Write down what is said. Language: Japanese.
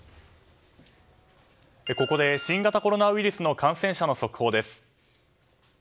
ここで新型コロナウイルスの感染者の速報です。